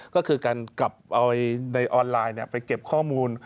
ก็คือการกลับเอาในออนไลน์ไปเก็บข้อมูล